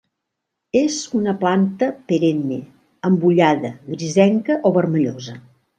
És una planta perenne, embullada, grisenca o vermellosa.